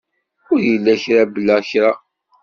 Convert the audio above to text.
Ur illa kra bla kra.